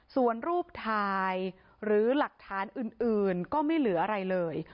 ส่วนรูปถ่ายหรือหลักฐานอื่นก็ไม่เหลืออะไรเลย